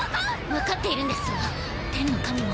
分かっているんですわ天の神も。